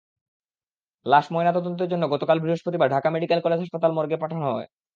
লাশ ময়নাতদন্তের জন্য গতকাল বৃহস্পতিবার ঢাকা মেডিকেল কলেজ হাসপাতাল মর্গে পাঠানো হয়।